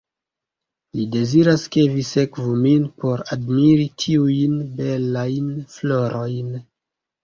Li deziras, ke vi sekvu min por admiri tiujn belajn florojn.